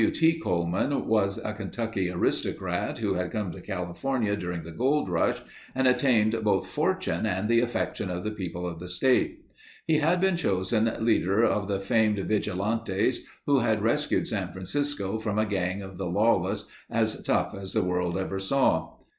W. T. Coleman was a Kentucky aristocrat who had come to California during the gold rush and attained both fortune and the affection of the people of the state. He had been chosen leader of the famed Vigilantes, who had rescued San Francisco from a gang of the lawless as tough as the world ever saw.